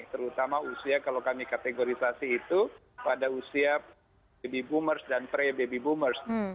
terutama usia kalau kami kategorisasi itu pada usia baby boomers dan pre baby boomers